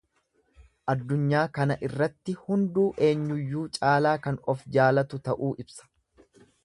Addunyaa kana irratti hunduu eenyuuyyuu caalaa kan of jaalatu ta'uu ibsa.